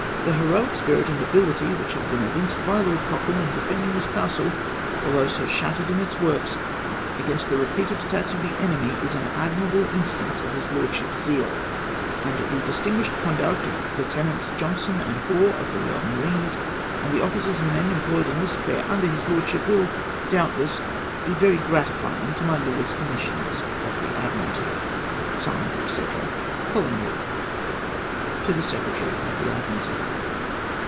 Tlie heroic spirit and ability Avbicb bave been evinced by Lord Cocbrane in defending tbis castle, although so shattered in its works, against the repeated attacks of the enemy, is an admirable instance of bis lordship's zeal; and the distin guished conduct of Lieutenants Johnson and Hoare, of the Koyal Marines, and the officers and men employed in this affair under his lordship, will, doubtless, be very gratifying to my Lords Commissioners of the Admiralty. (Signed, &c.) " Collingwood. " To the Secretary of the Admiralty."